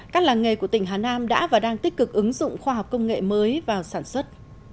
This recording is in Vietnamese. các làng nghề của tỉnh hà nam đã và đang tích cực ứng dụng khoa học công nghệ mới vào sản xuất